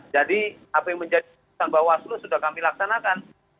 jadi apa yang menjadi keputusan mbak waslu sudah kami laksanakan